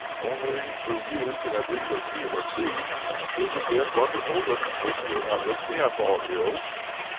Only through you can I breathe or feel or see. Is it, then, wonderful that, when you are not with me, I fall ill?